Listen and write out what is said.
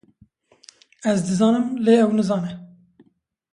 Ez dizanim lê ew nizane